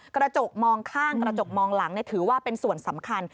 กระจกมองข้างกระจกมองหลังถือว่าเป็นส่วนสำคัญ